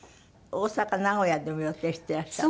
大阪名古屋でも予定してらした？